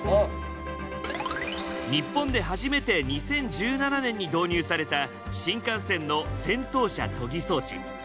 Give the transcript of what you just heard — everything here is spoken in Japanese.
日本で初めて２０１７年に導入された新幹線の先頭車研ぎ装置。